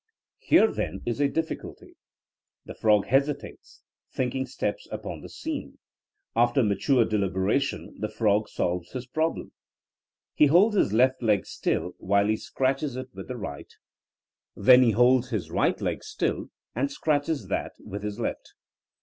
Here, then, is a diflBculty. The frog hesitates; thinking steps upon the scene. After mature deliberation the frog solves his problem: he holds his left leg still while he scratches it with his right, then he 16 THINKINO A8 A 80IEN0E holds his right leg still and scratches that with his left.